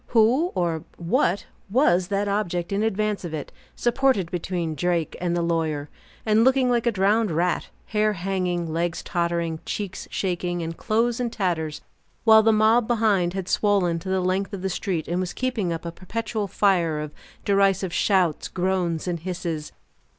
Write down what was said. Who or what was that object in advance of it, supported between Drake and the lawyer, and looking like a drowned rat, hair hanging, legs tottering, cheeks shaking, and clothes in tatters, while the mob, behind, had swollen to the length of the street, and was keeping up a perpetual fire of derisive shouts, groans, and hisses.